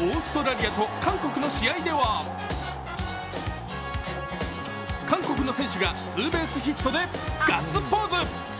オーストラリアと韓国の試合では韓国の選手がツーベースヒットでガッツポーズ。